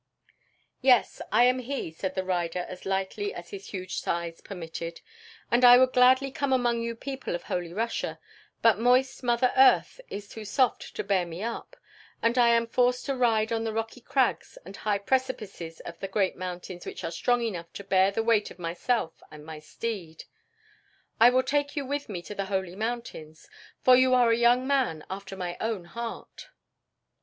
"Yes, I am he," said the rider as lightly as his huge size permitted, "and I would gladly come among you people of Holy Russia, but moist Mother Earth is too soft to bear me up, and I am forced to ride on the rocky crags and high precipices of the great mountains which are strong enough to bear the weight of myself and my steed. I will take you with me to the Holy Mountains, for you are a young man after my own heart."